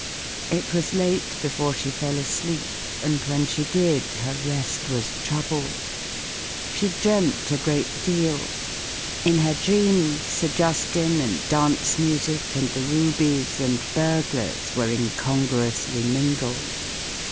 It was late before she fell asleep; and when she did, her rest was troubled. She dreamt a great deal; in her dreams, Sir Justin, and dance music, and the rubies, and burglars were incongruously mingled.